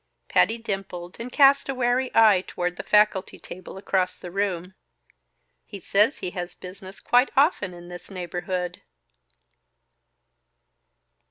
Patty dimpled and cast a wary eye toward the faculty table across the room. "He says he has business quite often in this neighborhood."